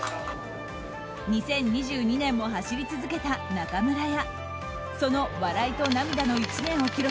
２０２２年も走り続けた中村屋。